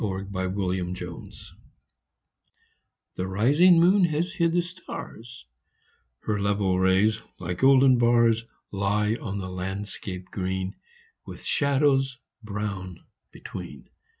20 48 ENDMYION ENDYMION The rising moon has hid the stars ; Her level rays, like golden bars, Lie on the landscape green, With shadows brown between.